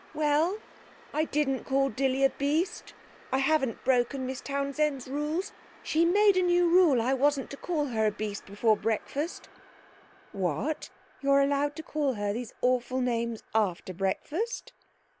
'Well, I didn't call Dilly a beast. I haven't broken Miss Townsend's rules. She made a new rule I wasn't to call her a beast before breakfast ' 'What, you're allowed to call her these awful names after breakfast?'